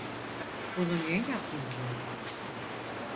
Bunu niye yapsın ki?